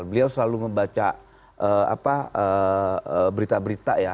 beliau selalu membaca berita berita ya